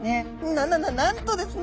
ななななんとですね